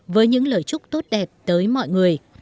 với những lời chúc tốt đẹp tới mọi người